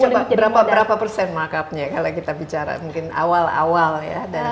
coba berapa persen markupnya kalau kita bicara mungkin awal awal ya